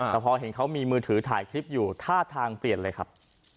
แต่พอเห็นเขามีมือถือถ่ายคลิปอยู่ท่าทางเปลี่ยนเลยครับ